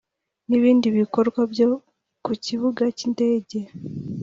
n’ibindi bikorwa byo ku kibuga cy’indege